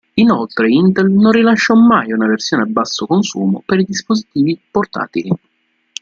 Inoltre Intel non rilasciò mai una versione a basso consumo per i dispositivi portatili.